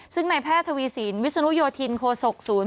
ซึ่งในแพทย์ทวีสินวิศนุโยธินโคศกศูนย์